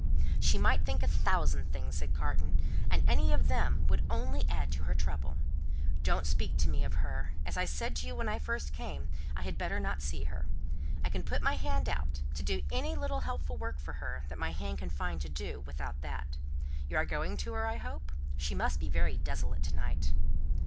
"She might think a thousand things," Carton said, "and any of them would only add to her trouble. Don't speak of me to her. As I said to you when I first came, I had better not see her. I can put my hand out, to do any little helpful work for her that my hand can find to do, without that. You are going to her, I hope? She must be very desolate to night."